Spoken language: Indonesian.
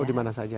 oh dimana saja